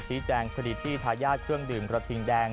แจ้งคดีที่ทายาทเครื่องดื่มกระทิงแดง